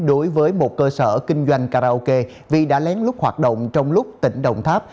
đối với một cơ sở kinh doanh karaoke vì đã lén lút hoạt động trong lúc tỉnh đồng tháp